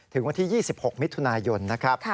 ถึงวันที่๒๖มิถุนายนนะครับ